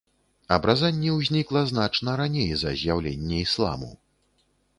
Абразанне ўзнікла значна раней за з'яўленне ісламу.